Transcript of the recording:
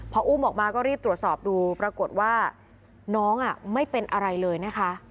พออุ้มออกมาก็รีบตรวจสอบดูปรากฏว่าน้องไม่เป็นอะไรเลยนะคะ